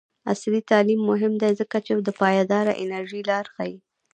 عصري تعلیم مهم دی ځکه چې د پایداره انرژۍ لارې ښيي.